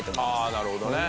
ああなるほどね。